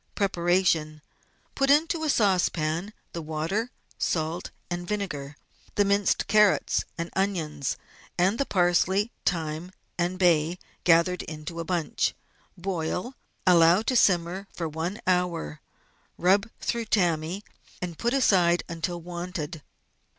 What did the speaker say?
Preparation. — Put into a saucepan the water, salt, and vinegar, the minced carrots and onions, and the parsley, thyme, and bay, gathered into a bunch. Boil, allow to simmer for one hour, rub through tammy, and put aside until wanted.